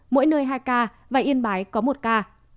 mỗi nơi hai ca và yên bái có một ca